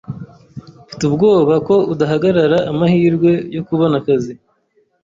Mfite ubwoba ko udahagarara amahirwe yo kubona akazi.